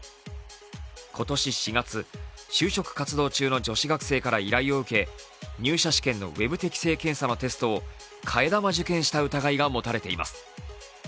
今年４月、就職活動中の女子学生から依頼を受け入社試験のウェブ適性検査のテストを替え玉受検した疑いが持たれています。